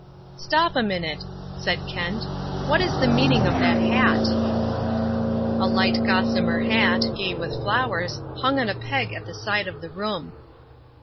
"Stop a minute," said Kent. "What is the meaning of that hat?" A light gossamer hat, gay with flowers, hung on a peg at the side of the room.